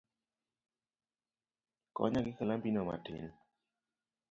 Konya gi kalambi no matin